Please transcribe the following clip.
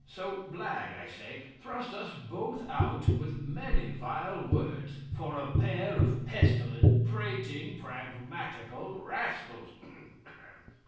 So Blagge, I say, thrust us both out, with many vile words, for a pair of pestilent, prating, pragmatical rascals.